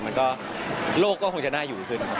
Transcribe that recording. มันก็โลกก็คงจะน่าอยู่ขึ้นครับ